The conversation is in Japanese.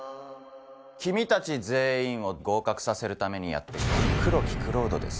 君たち全員を合格させるためにやって来た黒木蔵人です。